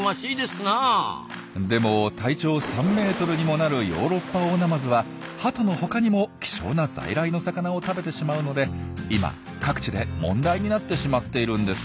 でも体長３メートルにもなるヨーロッパオオナマズはハトのほかにも希少な在来の魚を食べてしまうので今各地で問題になってしまっているんです。